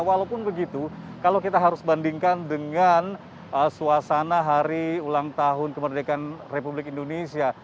walaupun begitu kalau kita harus bandingkan dengan suasana hari ulang tahun kemerdekaan republik indonesia